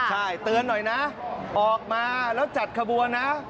ใช่เตือนหน่อยนะออกมาแล้วจัดขบวนนะ